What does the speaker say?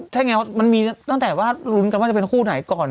ใช่ไงมันมีตั้งแต่ว่าลุ้นกันว่าจะเป็นคู่ไหนก่อน